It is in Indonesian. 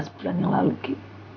delapan belas bulan yang lalui